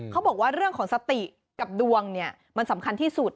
เขาบอกว่าเรื่องของสติกับดวงเนี่ยมันสำคัญที่สุด